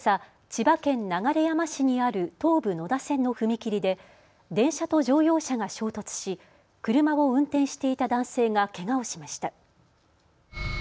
千葉県流山市にある東武野田線の踏切で電車と乗用車が衝突し車を運転していた男性がけがをしました。